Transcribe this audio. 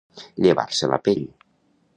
Llevar-se la pell.